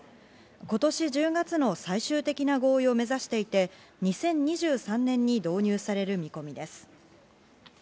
今年１０月の最終的な合意を目指していて、２０２３年に導入される見込みです。